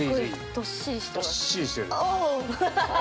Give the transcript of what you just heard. どっしりしてる。